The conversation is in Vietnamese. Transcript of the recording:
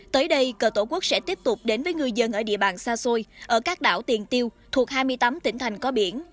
tới đây cờ tổ quốc sẽ tiếp tục đến với ngư dân ở địa bàn xa xôi ở các đảo tiền tiêu thuộc hai mươi tám tỉnh thành có biển